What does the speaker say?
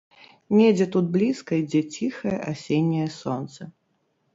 Недзе тут блізка ідзе ціхае асенняе сонца!